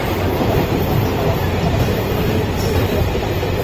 পরে মাসকাওয়াত চাপাতিটি নজরুলের হাতে দিয়ে ভেতরের রাস্তা দিয়ে পালিয়ে যান।